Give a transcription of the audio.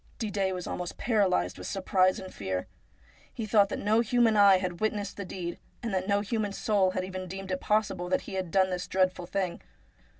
Didet was almost paralysed with surprise and fear. He thought that no human eye had witnessed the deed, and that no human soul had even deemed it possible that he had done this dreadful thing.